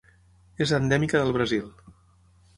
És endèmica del Brasil.